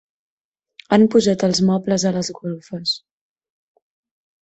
Han pujat els mobles a les golfes.